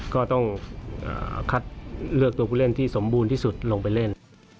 ก็ต้องคัดเลือกตัวผู้เล่นที่สมบูรณ์ที่สุดลงไปเล่น